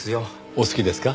お好きですか？